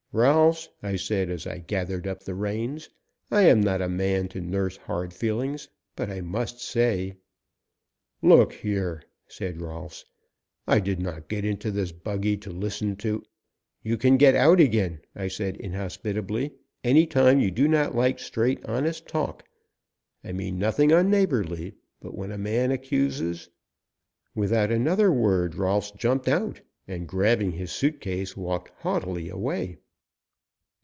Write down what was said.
"Rolfs," I said as I gathered up the reins, "I am not a man to nurse hard feelings, but I must say " "Look here!" said Rolfs, "I did not get into this buggy to listen to " "You can get out again," I said inhospitably, "any time you do not like straight, honest talk. I mean nothing unneighbourly but when a man accuses " Without another word Rolfs jumped out, and grabbing his suit case, walked haughtily away.